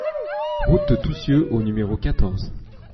Route de Toussieu au numéro quatorze